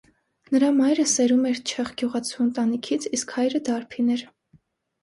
Նրա մայրը սերում էր չեխ գյուղացու ընտանիքից, իսկ հայրը դարբին էր։